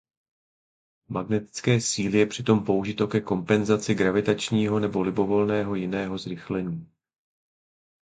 Magnetické síly je přitom použito ke kompenzaci gravitačního nebo libovolného jiného zrychlení.